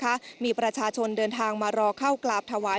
ของวันนี้นะคะมีประชาชนเดินทางมารอเข้ากลาบถวาย